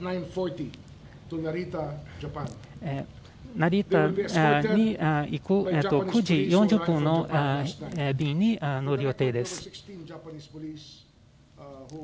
成田に行く９時４０分の便に乗る予定です。